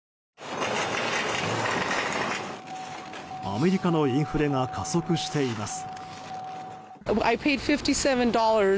アメリカのインフレが加速しています。